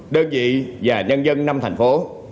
đơn vị và nhân dân năm thành phố